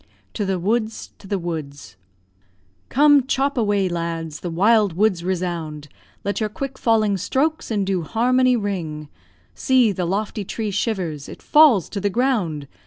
To the woods! to the woods! &c. Come, chop away, lads! the wild woods resound, Let your quick falling strokes in due harmony ring; See, the lofty tree shivers it falls to the ground!